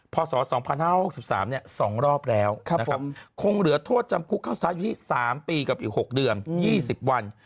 พศ๒๕๖๓๒รอบแล้วคงเหลือโทษจำคุกเข้าท้ายอยู่ที่๓ปีกับอีก๖เดือน๒๐วัน